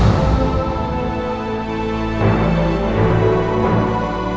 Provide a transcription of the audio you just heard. aku akan melakukannya